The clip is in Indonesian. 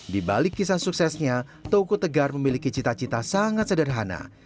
di balik kisah suksesnya toko tegar memiliki cita cita sangat sederhana